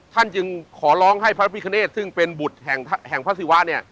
จึงขอร้องให้พระพิคเนธซึ่งเป็นบุตรแห่งพระศิวะเนี่ย